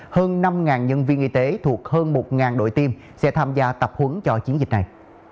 hơn năm nhân viên y tế thuộc hơn một đội tiêm sẽ tham gia tập huấn cho chiến dịch này